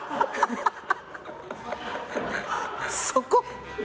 そこ！？